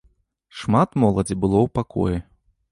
Шмат моладзі было ў пакоі.